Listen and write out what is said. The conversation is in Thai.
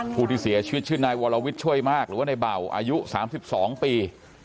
ผู้ที่เสียชีวิตชื่อนายวรวิทย์ช่วยมากหรือว่าในเบาอายุ๓๒ปี